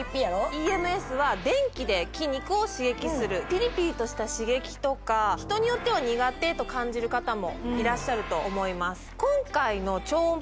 ＥＭＳは電気で筋肉を刺激するピリピリとした刺激とか人によっては苦手と感じる方もいらっしゃると思います